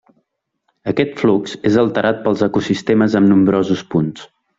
Aquest flux és alterat pels ecosistemes en nombrosos punts.